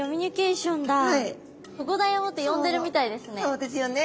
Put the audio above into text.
そうですよね。